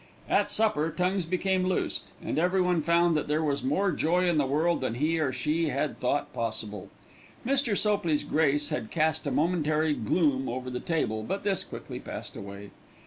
At supper tongues became loosed, and everyone found that there was more joy in the world than he or she had thought possible. Mr. Sopley's grace had cast a momentary gloom over the table; but this quickly passed away.